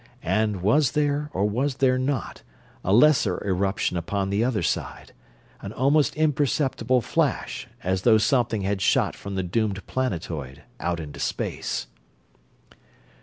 And was there, or was there not, a lesser eruption upon the other side an almost imperceptible flash, as though something had shot from the doomed planetoid out into space?